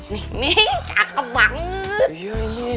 nih cakep banget